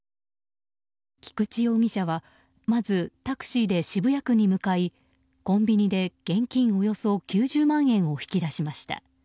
菊池容疑者はまずタクシーで渋谷区に向かいコンビニで現金およそ９０万円を引き出しました。